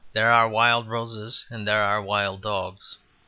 There are wild roses and there are wild dogs.